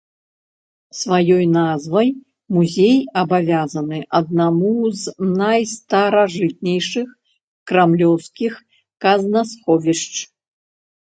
Сваёй назвай музей абавязаны аднаму з найстаражытнейшых крамлёўскіх казнасховішч.